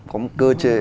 có một cơ chế